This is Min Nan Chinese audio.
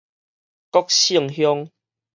國姓鄉